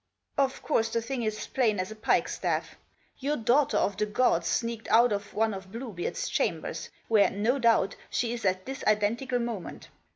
Of course the thing's as plain as a pikestaff. Your daughter Of the gads Staked Out Of One Of Bluebeard's chambers, where, no doubt, she is at this identical moment.